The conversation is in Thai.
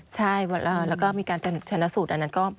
ใช่แล้วก็มีการชนะสูตรอันนั้นก็